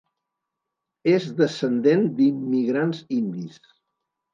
És descendent d'immigrants indis.